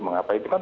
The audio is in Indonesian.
mengapa itu kan